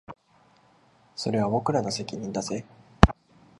それは僕らの責任だぜ